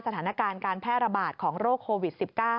สถานการณ์การแพร่ระบาดของโรคโควิด๑๙